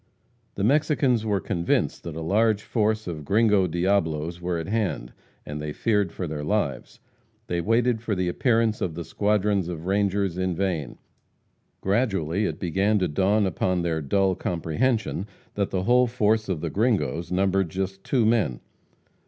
The Mexicans were convinced that a large force of Gringo Diablos were at hand, and they feared for their lives. They waited for the appearance of the squadrons of rangers in vain. Gradually it began to dawn upon their dull comprehension that the whole force of the Gringos numbered just two men.